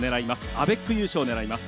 アベック優勝を狙います。